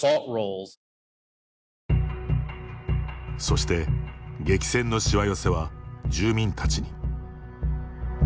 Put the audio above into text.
そして、激戦のしわ寄せは住民たちに。